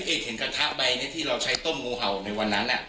เอกเห็นกระทะใบนี้ที่เราใช้ต้มงูเห่าในวันนั้น